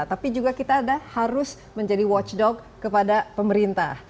tapi juga kita harus menjadi watchdog kepada pemerintah